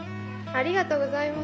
ありがとうございます。